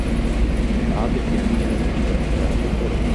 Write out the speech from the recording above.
انعطف يميناً عند مفترق الطرق.